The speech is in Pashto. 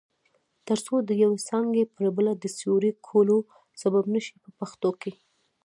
ترڅو د یوې څانګې پر بله د سیوري کولو سبب نشي په پښتو کې.